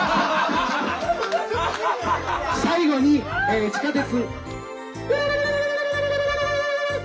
最後に地下鉄。